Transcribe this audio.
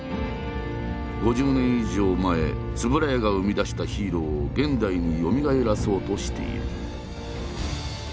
５０年以上前円谷が生み出したヒーローを現代によみがえらそうとしている。